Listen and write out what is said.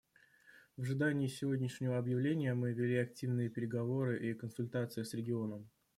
В ожидании сегодняшнего объявления мы вели активные переговоры и консультации с регионом.